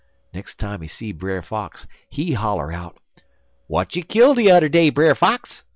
Nex' time he see Brer Fox he holler out: "'What you kill de udder day, Brer Fox?'